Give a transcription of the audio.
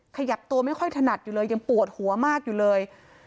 ขยับตัวไม่ค่อยถนัดอยู่เลยยังปวดหัวมากอยู่เลย